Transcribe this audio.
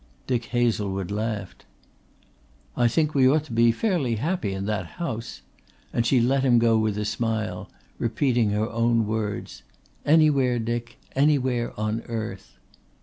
Dick Hazlewood laughed. "I think we ought to be fairly happy in that house," and she let him go with a smile, repeating her own words, "Anywhere, Dick, anywhere on earth."